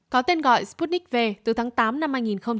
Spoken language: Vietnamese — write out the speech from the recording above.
có tên gọi sputnik v từ tháng tám năm hai nghìn hai mươi